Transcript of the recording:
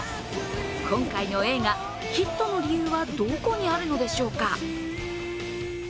今回の映画、ヒットの理由はどこにあるのでしょうか？